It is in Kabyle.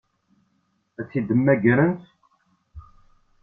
Ad tt-id-mmagrent?